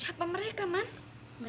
iya bentar bentar bentar